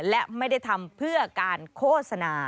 และไม่ได้ทำเพื่อการโฆษณา